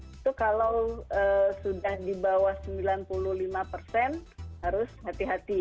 itu kalau sudah di bawah sembilan puluh lima persen harus hati hati